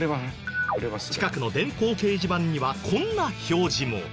近くの電光掲示板にはこんな表示も。